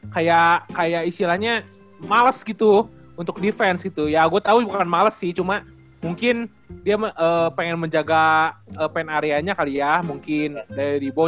kayak kayak istilahnya males gitu untuk defense gitu ya gue tau bukan males sih cuma mungkin dia pengen menjaga pen areanya kali ya mungkin dari di bawah